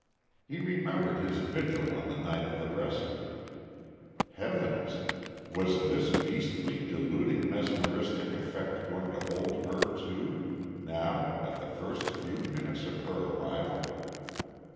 He remembered his vigil on the night of the rescue. Heavens! was this beastly, deluding mesmeristic effect going to hold her too, now at the first few minutes of her arrival?